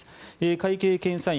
会計検査院